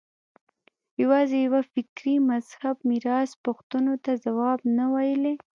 یوازې یوه فکري مذهب میراث پوښتنو ته ځواب نه ویلای